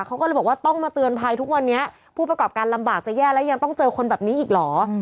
เขาก็เลยบอกว่าต้องมาเตือนภัยทุกวันนี้ผู้ประกอบการลำบากจะแย่แล้วยังต้องเจอคนแบบนี้อีกเหรอ